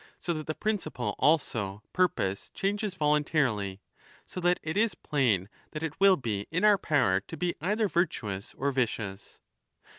So that the principle also, purpose, changes voluntarily. So that it is plain that it will be in our power to be either virtuous or vicious.